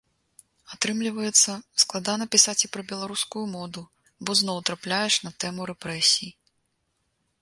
Атрымліваецца, складана пісаць і пра беларускую моду, бо зноў трапляеш на тэму рэпрэсій.